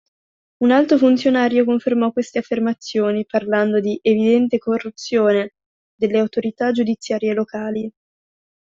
Un alto funzionario confermò queste affermazioni parlando di "evidente corruzione" delle autorità giudiziarie locali.